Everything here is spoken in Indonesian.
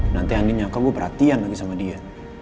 nanti andi nyaka gue perhatian lagi sama dia